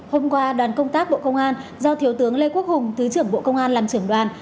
hôm qua đoàn công tác bộ công an do thiếu tướng lê quốc hùng thứ trưởng bộ công an làm trưởng đoàn